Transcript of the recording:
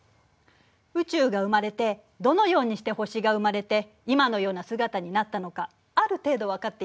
宇宙が生まれてどのようにして星が生まれて今のような姿になったのかある程度分かっているの。